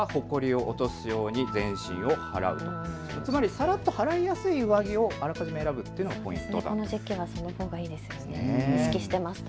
さらっと払いやすい上着をあらかじめ選ぶというのがポイントですね。